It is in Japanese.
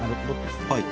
はい。